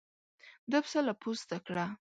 دا پسه له پوسته کړه.